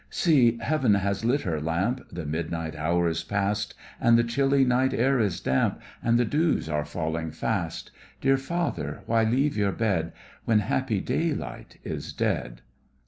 See, heav'n has lit her lamp, The midnight hour is past, And the chilly night air is damp, And the dews are falling fast! Dear father, why leave your bed When happy daylight is dead?